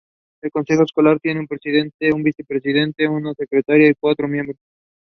He was formerly the president of the British Society for the Philosophy of Religion.